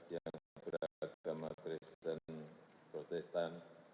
yang beragama kristen protestan